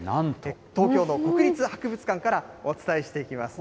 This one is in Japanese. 東京の国立博物館からお伝えしていきます。